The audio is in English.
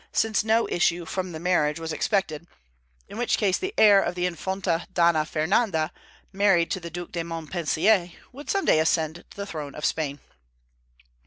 since no issue from the marriage was expected, in which case the heir of the Infanta Donna Fernanda, married to the Duc de Montpensier, would some day ascend the throne of Spain.